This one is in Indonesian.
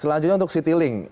selanjutnya untuk citylink